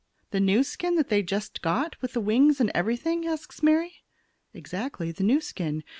"The new skin they have just got, with the wings and everything?" asks Mary. "Exactly; the new skin.